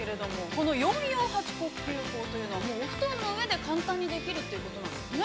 この「４４８呼吸法」というのはお布団の上にできるということなんですね。